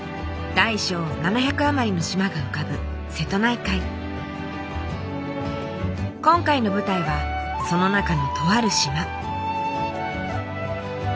大小７００余りの島が浮かぶ今回の舞台はその中のとある島。